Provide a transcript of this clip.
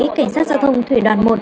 của cảnh sát giao thông thủy đoàn một